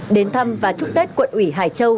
đến thăm và chúc tết quận ủy hải châu